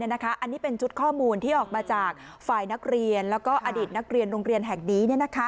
อันนี้เป็นชุดข้อมูลที่ออกมาจากฝ่ายนักเรียนแล้วก็อดีตนักเรียนโรงเรียนแห่งนี้